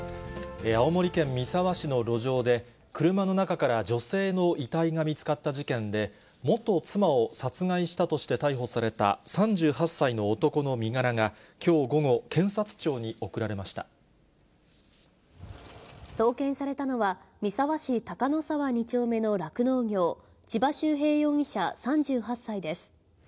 青森県三沢市の路上で、車の中から女性の遺体が見つかった事件で、元妻を殺害したとして逮捕された３８歳の男の身柄がきょう午後、送検されたのは、三沢市高野沢２丁目の酪農業、千葉修平容疑者３８歳です。